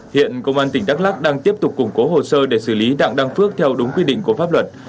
hiện công an tỉnh đắk lắc đang tiếp tục củng cố hồ sơ để xử lý đặng đăng phước theo đúng quy định của pháp luật